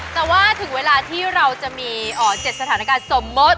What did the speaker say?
แต่ว่าถึงเวลาที่เราจะมี๗สถานการณ์สมมุติ